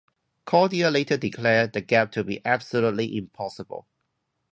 Cordier later declared the gap to be "absolutely impossible".